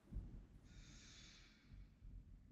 Viven en Woodside, California.